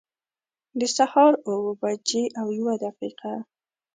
د سهار اوه بجي او یوه دقيقه